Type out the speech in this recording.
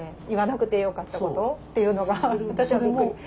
言わなくてよかったことっていうのが私はびっくり。